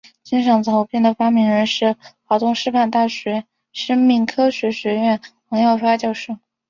金嗓子喉片的发明人是华东师范大学生命科学学院王耀发教授。